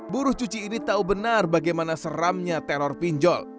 buruh cuci ini tahu benar bagaimana seramnya teror pinjol